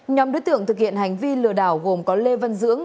nhóm đối tượng thực hiện hành vi lừa đảo gồm có lê văn dưỡng